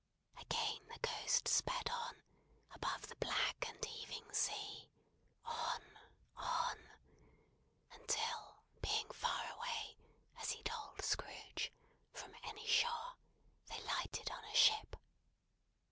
Again the Ghost sped on, above the black and heaving sea on, on until, being far away, as he told Scrooge, from any shore, they lighted on a ship.